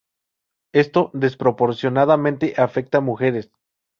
Esto desproporcionadamente afecta mujeres.